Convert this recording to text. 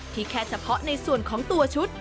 แค่เฉพาะในส่วนของตัวชุด